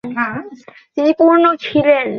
তিনি পূর্ন ছিলেন।